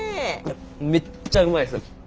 めっちゃうまいです。